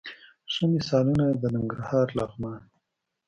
ښه مثالونه یې د ننګرهار، لغمان،